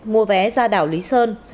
mua vé ra đảo lý sơn